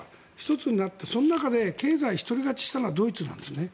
１つになって、その中で経済が１人勝ちしたのはドイツなんですね。